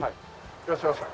いらっしゃいました。